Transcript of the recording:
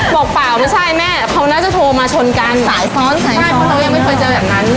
เปล่าไม่ใช่แม่เขาน่าจะโทรมาชนกันสายซ้อนสายใช่เพราะเรายังไม่เคยเจอแบบนั้น